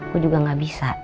gue juga gak bisa